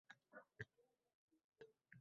Shunda haykalning orqasidan jo‘ram chiqib keldi